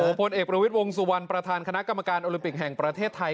พลเอกประวิทย์วงสุวรรณประธานคณะกรรมการโอลิมปิกแห่งประเทศไทย